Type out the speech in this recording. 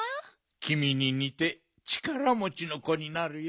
きみににてちからもちのこになるよ。